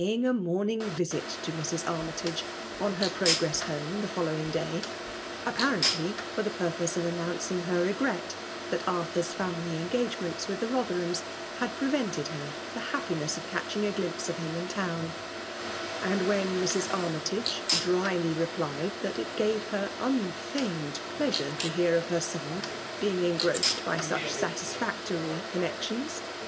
309 p^yiag a moming Tisit to Mrs. Army tage> on her lirogreM home the foUowisg day ; a]qpaieiitly for the purpose of announeing h^ regret that Arthur's family engi^ements with the Bother kams had prevented her the happiness of catehing a glimpse of him in town : and when Mrs. Armytage drily replied that it gave her unfeigned pleasure to hear of her son being engrossed by such satisfactory connexian8!